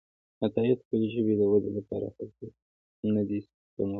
عطاييد خپلې ژبې د ودې لپاره هڅې نه دي سپمولي.